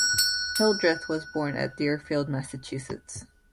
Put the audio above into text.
Hildreth was born at Deerfield, Massachusetts.